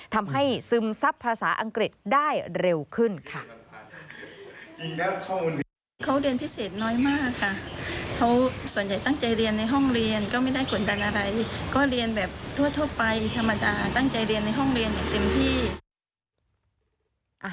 ทำให้ซึมซับภาษาอังกฤษได้เร็วขึ้นค่ะ